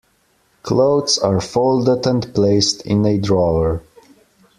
Clothes are folded and placed in a drawer.